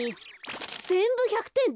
ぜんぶ１００てん！